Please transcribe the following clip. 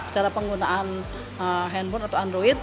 cara penggunaan handphone atau android